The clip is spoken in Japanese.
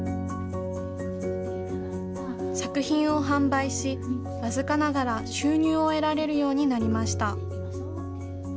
作品を販売し、僅かながら収入を得られるようになりました。